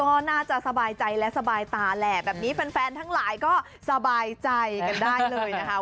ก็น่าจะสบายใจและสบายตาแหละแบบนี้แฟนทั้งหลายก็สบายใจกันได้เลยนะคะ